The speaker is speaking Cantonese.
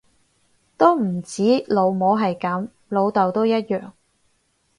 都唔止老母係噉，老竇都一樣